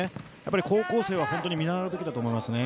高校生は本当に見習うべきだと思いますね。